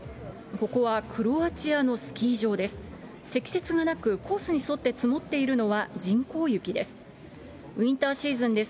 ここはクロアチアのスキー場です。